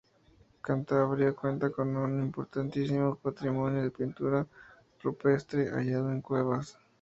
Cantabria cuenta con un importantísimo patrimonio de pintura rupestre hallado en cuevas.